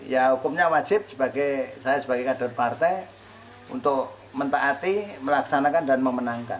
ya hukumnya wajib saya sebagai kader partai untuk mentaati melaksanakan dan memenangkan